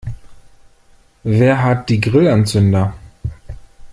Wer hat die Grillanzünder?